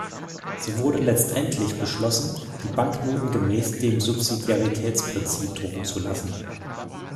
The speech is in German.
So wurde letztendlich beschlossen, die Banknoten gemäß dem Subsidiaritätsprinzip drucken zu lassen.